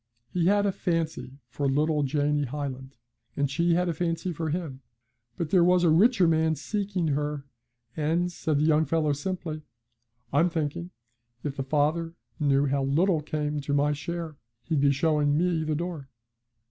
He had a fancy for little Janie Hyland, and she had a fancy for him, but there was a richer man seeking her, and, said the young fellow simply, 'I'm thinking if the father knew how little came to my share he'd be showing me the door.'